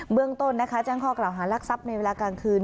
เมืองต้นแจ้งข้อกล่าวหารักทรัพย์ในเวลากลางคืน